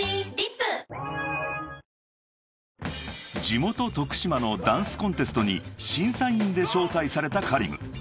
［地元徳島のダンスコンテストに審査員で招待されたＫａｒｉｍ］